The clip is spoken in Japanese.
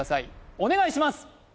お願いします